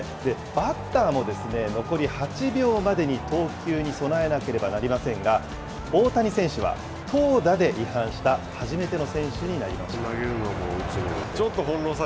バッターも残り８秒までに投球に備えなければなりませんが、大谷選手は、投打で違反した初めての選手になりました。